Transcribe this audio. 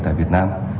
tại việt nam